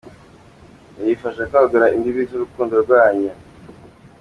Ibi bibafasha kwagura imbibi z’ urukundo rwanyu.